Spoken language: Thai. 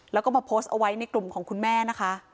แล้วก็มาโพสต์เอาไว้ในกลุ่มของคุณแม่นะคะ